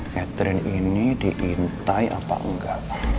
catherine ini diintai apa enggak